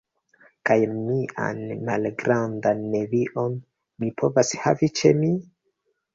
Kaj mian malgrandan nevinon mi povos havi ĉe mi?